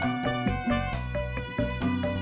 arah rojek pak